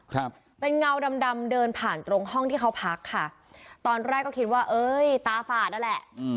ครับเป็นเงาดำดำเดินผ่านตรงห้องที่เขาพักค่ะตอนแรกก็คิดว่าเอ้ยตาฝาดนั่นแหละอืม